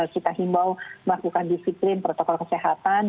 kita himbau melakukan disiplin protokol kesehatan